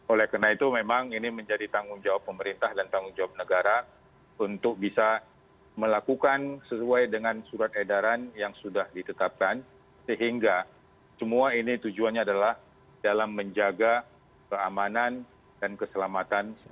oleh karena itu memang ini menjadi tanggung jawab pemerintah dan tanggung jawab negara untuk bisa melakukan sesuai dengan surat edaran yang sudah ditetapkan sehingga semua ini tujuannya adalah dalam menjaga keamanan dan keselamatan